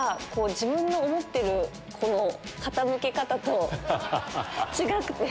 自分の思ってる傾け方と違くて。